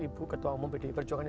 ibu ketua umum pdi perjuangan